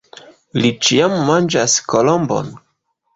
Li ĉiam manĝas kolombon?